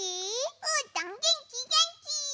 うーたんげんきげんき！